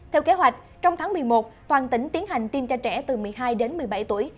theo kế hoạch trong tháng một mươi một toàn tỉnh tiến hành tiêm cho trẻ từ một mươi hai đến một mươi bảy tuổi